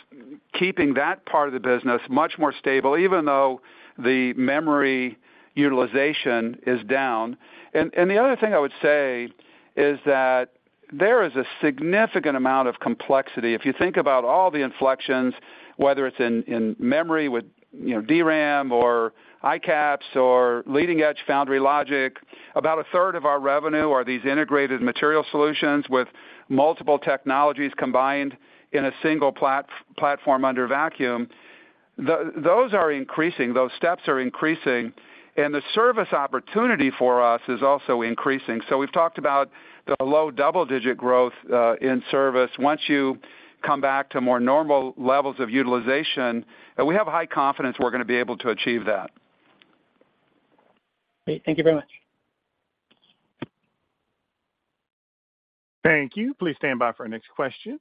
keeping that part of the business much more stable, even though the memory utilization is down. The other thing I would say is that there is a significant amount of complexity. If you think about all the inflections, whether it's in memory with, you know, DRAM or ICAPS or leading-edge foundry logic, about a third of our revenue are these integrated material solutions with multiple technologies combined in a single platform under vacuum. Those are increasing, those steps are increasing, and the service opportunity for us is also increasing. We've talked about the low double-digit growth in service. Once you come back to more normal levels of utilization, we have high confidence we're gonna be able to achieve that. Great. Thank you very much. Thank you. Please stand by for our next question.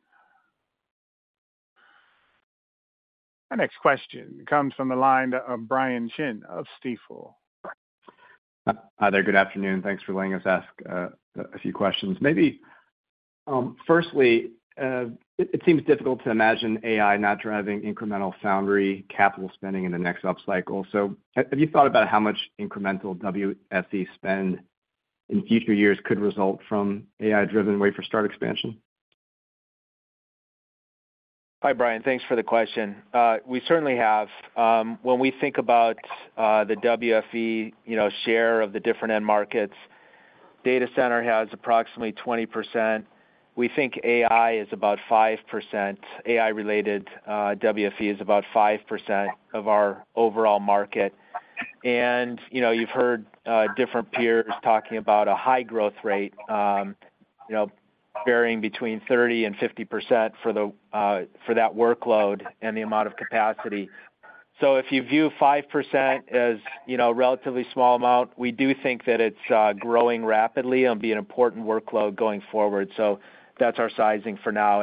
Our next question comes from the line of Brian Chin of Stifel. Hi there. Good afternoon. Thanks for letting us ask a few questions. Maybe, firstly, it, it seems difficult to imagine AI not driving incremental foundry capital spending in the next upcycle. Have you thought about how much incremental WFE spend in future years could result from AI-driven wafer start expansion? Hi, Brian. Thanks for the question. We certainly have. When we think about the WFE, you know, share of the different end markets, data center has approximately 20%. We think AI is about 5%. AI-related WFE is about 5% of our overall market. You know, you've heard different peers talking about a high growth rate, you know, varying between 30%-50% for the for that workload and the amount of capacity. If you view 5% as, you know, a relatively small amount, we do think that it's growing rapidly and be an important workload going forward. That's our sizing for now.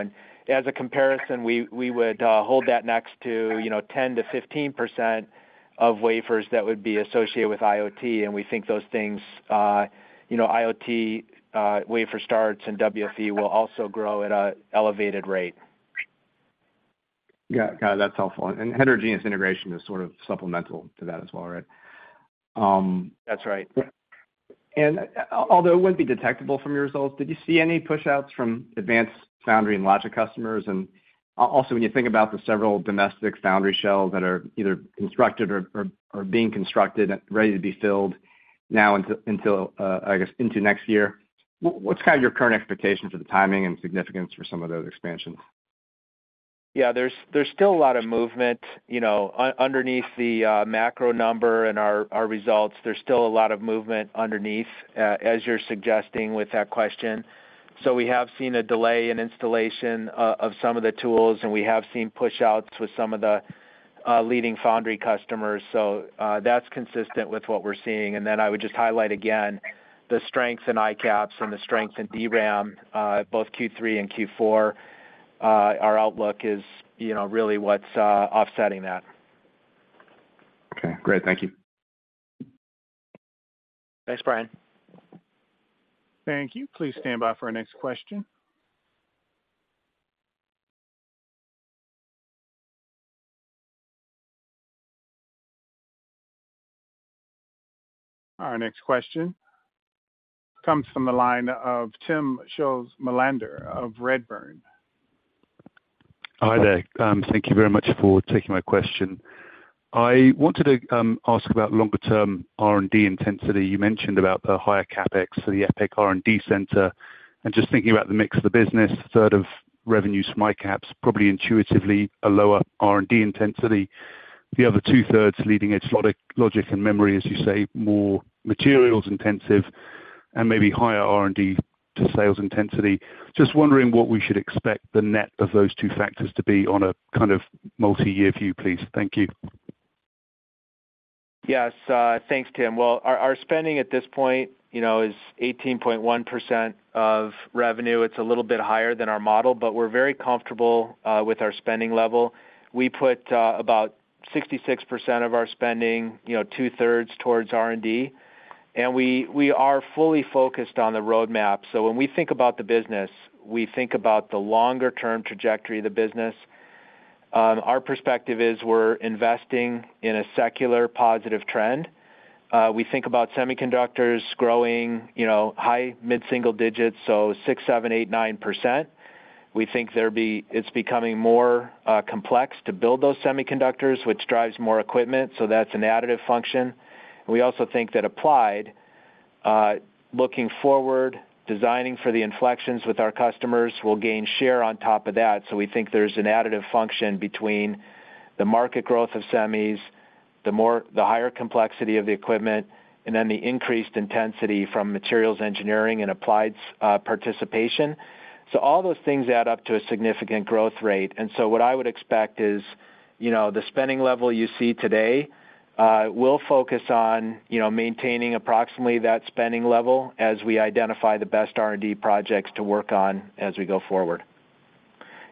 As a comparison, we, we would hold that next to, you know, 10%-15% of wafers that would be associated with IoT, and we think those things, you know, IoT, wafer starts and WFE will also grow at a elevated rate. Got it. Got it. That's helpful. Heterogeneous integration is sort of supplemental to that as well, right? That's right. Although it wouldn't be detectable from your results, did you see any pushouts from advanced foundry and logic customers? Also, when you think about the several domestic foundry shells that are either constructed or, or, are being constructed and ready to be filled now until, I guess, into next year, what's kind of your current expectation for the timing and significance for some of those expansions? Yeah, there's, there's still a lot of movement. You know, underneath the macro number and our, our results, there's still a lot of movement underneath, as you're suggesting with that question. We have seen a delay in installation of some of the tools, and we have seen pushouts with some of the leading foundry customers. That's consistent with what we're seeing. I would just highlight again, the strengths in ICAPS and the strength in DRAM, both Q3 and Q4. Our outlook is, you know, really what's offsetting that. Okay, great. Thank you. Thanks, Brian. Thank you. Please stand by for our next question. Our next question comes from the line of Atif Malik of Citi. Hi there. Thank you very much for taking my question. I wanted to ask about longer-term R&D intensity. You mentioned about the higher CapEx for the EPIC R&D center, and just thinking about the mix of the business, a third of revenues from ICAPS, probably intuitively, a lower R&D intensity. The other two-thirds, leading-edge logic, logic and memory, as you say, more materials intensive and maybe higher R&D to sales intensity. Just wondering what we should expect the net of those two factors to be on a kind of multi-year view, please. Thank you. Yes. Thanks, Tim. Well, our spending at this point, you know, is 18.1% of revenue. It's a little bit higher than our model, but we're very comfortable with our spending level. We put about 66% of our spending, you know, two-thirds towards R&D, and we are fully focused on the roadmap. When we think about the business, we think about the longer-term trajectory of the business. Our perspective is we're investing in a secular positive trend. We think about semiconductors growing, you know, high mid-single digits, so 6%, 7%, 8%, 9%. We think it's becoming more complex to build those semiconductors, which drives more equipment, so that's an additive function. We also think that Applied, looking forward, designing for the inflections with our customers, will gain share on top of that. We think there's an additive function between the market growth of semis, the higher complexity of the equipment, and then the increased intensity from materials engineering and Applied's participation. All those things add up to a significant growth rate. What I would expect is, you know, the spending level you see today, we'll focus on, you know, maintaining approximately that spending level as we identify the best R&D projects to work on as we go forward.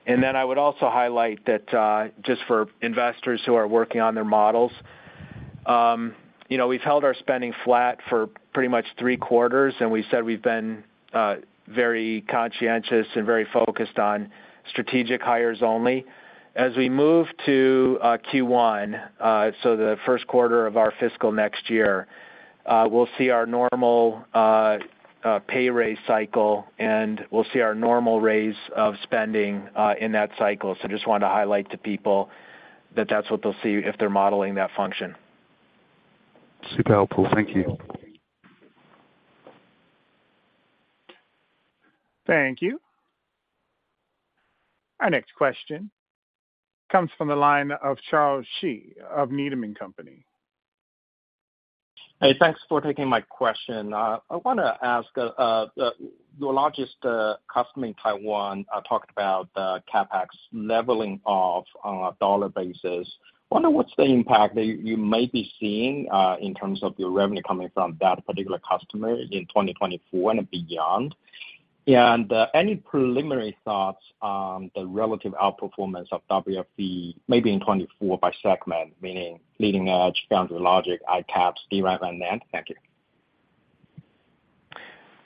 I would also highlight that, just for investors who are working on their models, you know, we've held our spending flat for pretty much three quarters, and we said we've been very conscientious and very focused on strategic hires only. As we move to Q1, so the first quarter of our fiscal next year, we'll see our normal pay raise cycle, and we'll see our normal raise of spending in that cycle. Just wanted to highlight to people that that's what they'll see if they're modeling that function. Super helpful. Thank you. Thank you. Our next question comes from the line of Charles Shi of Needham and Company. Hey, thanks for taking my question. I want to ask, your largest, customer in Taiwan, talked about the CapEx leveling off on a dollar basis. I wonder what's the impact that you, you may be seeing in terms of your revenue coming from that particular customer in 2024 and beyond? Any preliminary thoughts on the relative outperformance of WFE, maybe in 2024 by segment, meaning leading edge, foundry logic, ICAPS, DRAM, and NAND? Thank you.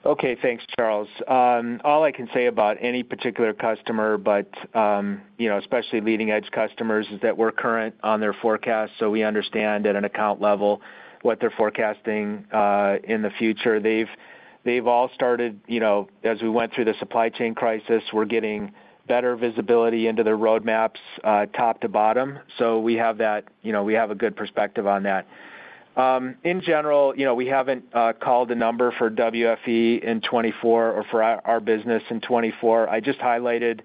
Okay, thanks, Charles. All I can say about any particular customer, but, you know, especially leading edge customers, is that we're current on their forecast, so we understand at an account level what they're forecasting in the future. They've all started, you know, as we went through the supply chain crisis, we're getting better visibility into their roadmaps, top to bottom. We have that. You know, we have a good perspective on that. In general, you know, we haven't called a number for WFE in 24 or for our, our business in 24. I just highlighted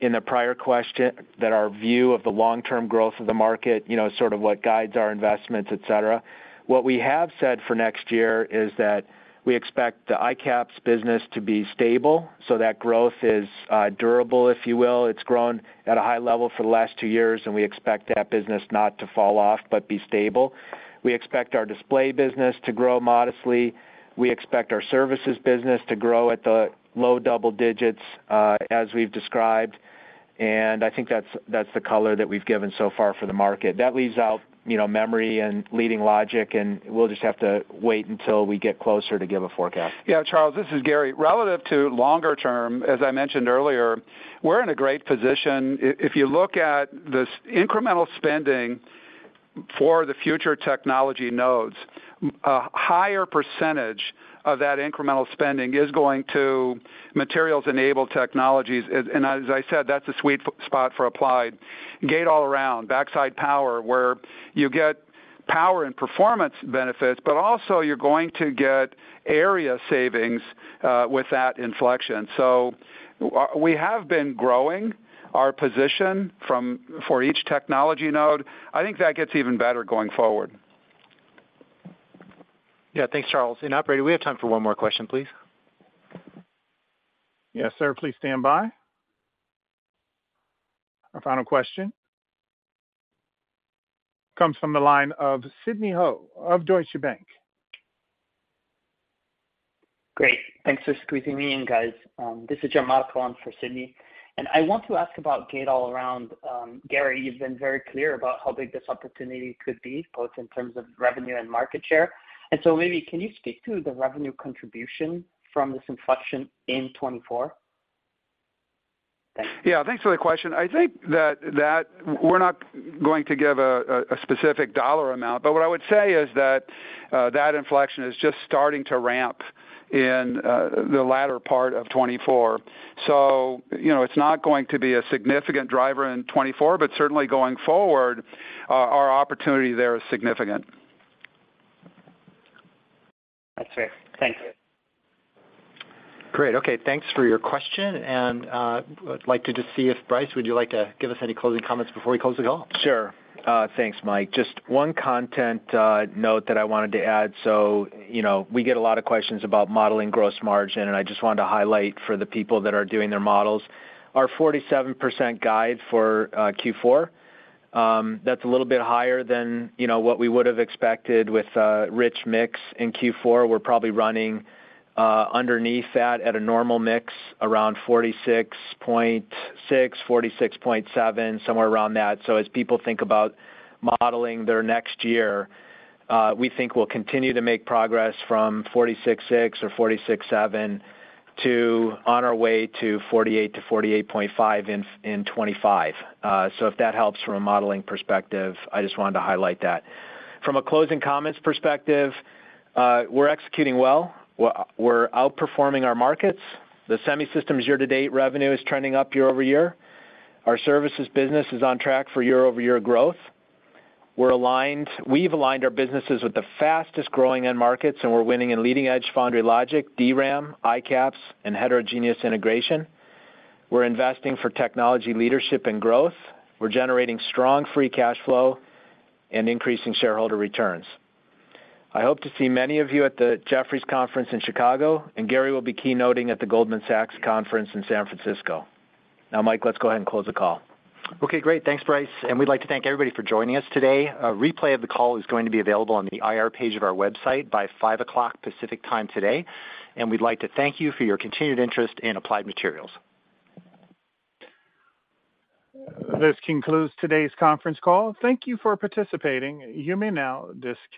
in the prior question that our view of the long-term growth of the market, you know, is sort of what guides our investments, et cetera. What we have said for next year is that we expect the ICAPS business to be stable, so that growth is durable, if you will. It's grown at a high level for the last two years, and we expect that business not to fall off, but be stable. We expect our Display business to grow modestly. We expect our services business to grow at the low double digits, as we've described, and I think that's, that's the color that we've given so far for the market. That leaves out, you know, memory and leading logic, and we'll just have to wait until we get closer to give a forecast. Yeah, Charles, this is Gary. Relative to longer term, as I mentioned earlier, we're in a great position. If you look at this incremental spending for the future technology nodes, a higher percentage of that incremental spending is going to materials-enabled technologies. As I said, that's a sweet spot for Applied. Gate-All-Around, backside power, where you get power and performance benefits, but also you're going to get area savings with that inflection. We have been growing our position for each technology node. I think that gets even better going forward. Yeah. Thanks, Charles. Operator, we have time for one more question, please. Yes, sir. Please stand by. Our final question comes from the line of Sidney Ho of Deutsche Bank. Great. Thanks for squeezing me in, guys. This is Gianmarco on for Sidney, and I want to ask about Gate-All-Around. Gary, you've been very clear about how big this opportunity could be, both in terms of revenue and market share, and so maybe can you speak to the revenue contribution from this inflection in 2024? Thank you. Yeah, thanks for the question. I think that. We're not going to give a specific dollar amount, but what I would say is that that inflection is just starting to ramp in the latter part of 2024. You know, it's not going to be a significant driver in 2024, but certainly going forward, our opportunity there is significant. That's fair. Thank you. Great. Okay, thanks for your question, and I'd like to just see if, Brice, would you like to give us any closing comments before we close the call? Sure. Thanks, Mike. Just one content note that I wanted to add. You know, we get a lot of questions about modeling gross margin, and I just wanted to highlight for the people that are doing their models, our 47% guide for Q4, that's a little bit higher than, you know, what we would have expected with a rich mix in Q4. We're probably running underneath that at a normal mix, around 46.6%, 46.7%, somewhere around that. As people think about modeling their next year, we think we'll continue to make progress from $46.6 or $46.7 to on our way to $48-$48.5 in 2025. If that helps from a modeling perspective, I just wanted to highlight that. From a closing comments perspective, we're executing well. We're outperforming our markets. The Semi Systems year-to-date revenue is trending up year-over-year. Our services business is on track for year-over-year growth. We've aligned our businesses with the fastest-growing end markets, and we're winning in leading-edge foundry logic, DRAM, ICAPS, and heterogeneous integration. We're investing for technology, leadership, and growth. We're generating strong free cash flow and increasing shareholder returns. I hope to see many of you at the Jefferies conference in Chicago, and Gary will be keynoting at the Goldman Sachs conference in San Francisco. Now, Mike, let's go ahead and close the call. Okay, great. Thanks, Brice, and we'd like to thank everybody for joining us today. A replay of the call is going to be available on the IR page of our website by 5 o'clock Pacific Time today, and we'd like to thank you for your continued interest in Applied Materials. This concludes today's conference call. Thank you for participating. You may now disconnect.